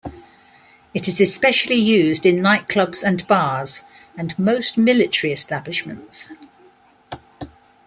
It is especially used in nightclubs and bars, and most military establishments.